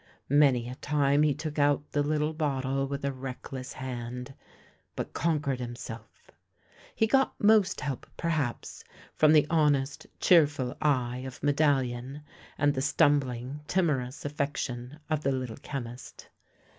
Many a time he took out the little bottle with a reckless hand, but conquered himself. He got most help, perhaps, from the honest, cheerful eye of Medallion and the stumbling, timorous affection of the Little Chemist.